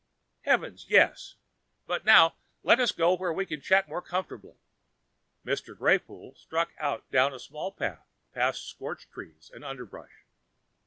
"Heavens yes! But now, let us go where we can chat more comfortably." Mr. Greypoole struck out down a small path past scorched trees and underbrush.